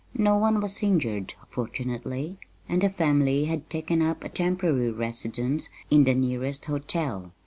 No one was injured, fortunately, and the family had taken up a temporary residence in the nearest hotel.